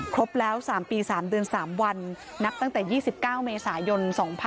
ครบแล้ว๓ปี๓เดือน๓วันนับตั้งแต่๒๙เมษายน๒๕๖๒